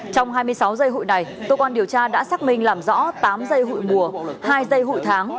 trong hai mươi sáu giây hụi này cơ quan điều tra đã xác minh làm rõ tám dây hụi mùa hai dây hụi tháng